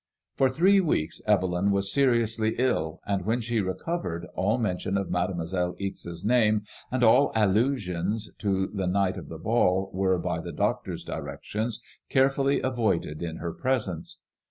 For three weeks Evelyn was seriously ill, and when she re covered, ail mention of Made moiselle Ixe's name, and all allusions to the night of the ball, were, by the doctor's directions, carefully avoided in her presence.